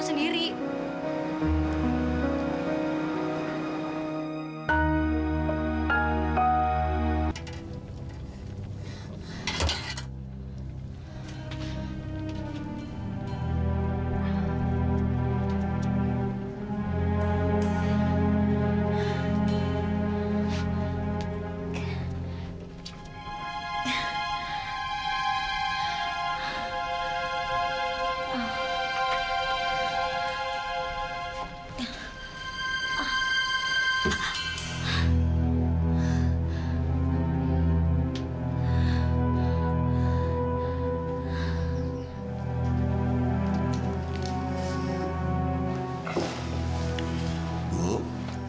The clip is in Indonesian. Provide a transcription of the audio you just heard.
terima kasih pak